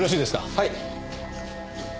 はい。